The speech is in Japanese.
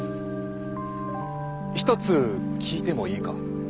一つ聞いてもいいか。